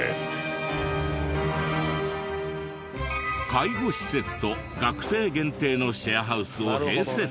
介護施設と学生限定のシェアハウスを併設。